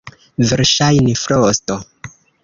Verŝajne frosto.